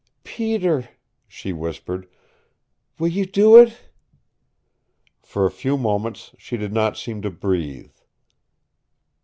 "Peter," she whispered, "will you do it?" For a few moments she did not seem to breathe.